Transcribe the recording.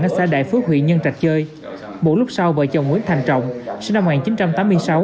ở xã đại phước huyện nhân trạch chơi một lúc sau vợ chồng nguyễn thành trọng sinh năm một nghìn chín trăm tám mươi sáu